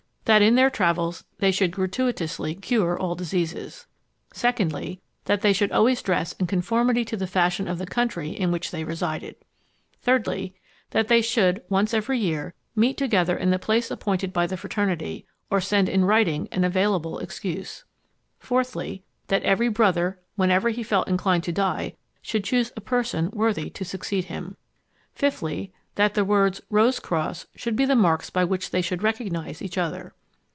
That, in their travels, they should gratuitously cure all diseases. Secondly. That they should always dress in conformity to the fashion of the country in which they resided. Thirdly. That they should, once every year, meet together in the place appointed by the fraternity, or send in writing an available excuse. Fourthly. That every brother, whenever he felt inclined to die, should choose a person worthy to succeed him. Fifthly. That the words "Rose cross" should be the marks by which they should recognise each other.